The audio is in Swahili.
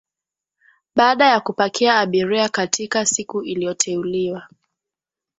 baada ya kupakia abiria katika siku iliyoteuliwa